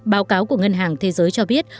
báo cáo của ngân hàng thế giới cho biết